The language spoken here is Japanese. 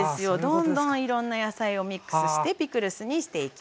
どんどんいろんな野菜をミックスしてピクルスにしていきます。